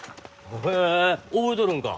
へえ覚えとるんか。